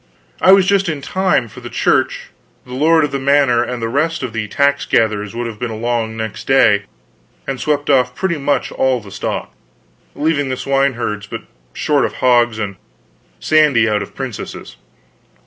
I was just in time; for the Church, the lord of the manor, and the rest of the tax gatherers would have been along next day and swept off pretty much all the stock, leaving the swine herds very short of hogs and Sandy out of princesses.